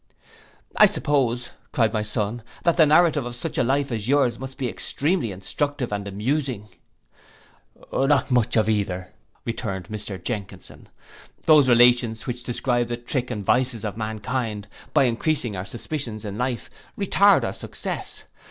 'I suppose,' cried my son, 'that the narrative of such a life as yours must be extremely instructive and amusing.' 'Not much of either,' returned Mr Jenkinson. 'Those relations which describe the tricks and vices only of mankind, by increasing our suspicion in life, retard our success.